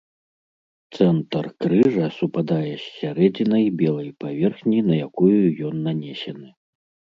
Цэнтр крыжа супадае з сярэдзінай белай паверхні на якую ён нанесены.